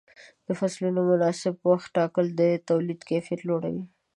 د فصلونو مناسب وخت ټاکل د تولید کیفیت لوړوي.